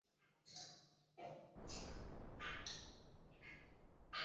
福特汽车主管将原先的装配线发展成为了由机械传送带来运输零件让工人进行组装。